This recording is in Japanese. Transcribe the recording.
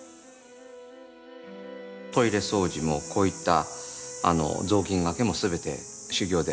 トイレ掃除もこういった雑巾がけもすべて修行であると。